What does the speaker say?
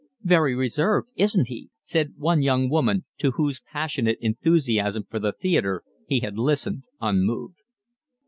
"Very reserved, isn't he?" said one young woman, to whose passionate enthusiasm for the theatre he had listened unmoved.